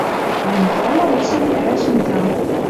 Дӓ Михӓлӓ решен ӓрӓш Митям